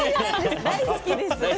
大好きです。